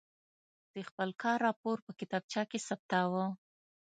د خپل کار راپور په کتابچه کې ثبتاوه.